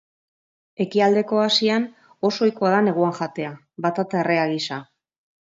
Ekialdeko Asian oso ohikoa da neguan jatea, batata errea gisa.